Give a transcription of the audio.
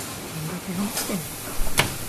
どんだけ話してんの